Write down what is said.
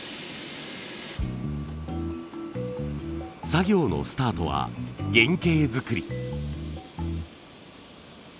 作業のスタートは原型作り。